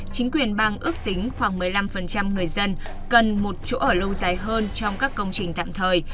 chính quyền bang ước tính khoảng một mươi năm người dân cần một chỗ ở lâu dài hơn trong các công trình tạm thời